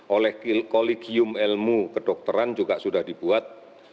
oleh kolegium ilmu kedokteran juga sudah dibuat